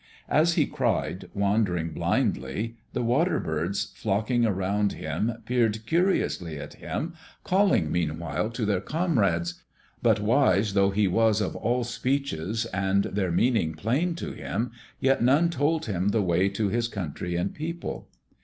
As he cried, wandering blindly, the water birds flocking around him peered curiously at him, calling meanwhile to their comrades. But wise though he was of all speeches, and their meanings plain to him, yet none told him the way to his country and people.